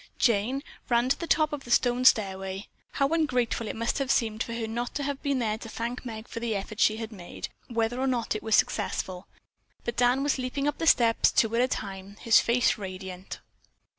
Jane ran to the top of the stone stairway. How ungrateful it must have seemed for her not to have been there to thank Meg for the effort she had made, whether or not it was successful. But Dan was leaping up the steps, two at a time, his face radiant.